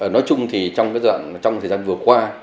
nói chung thì trong thời gian vừa qua